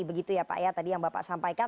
begitu ya pak ya tadi yang bapak sampaikan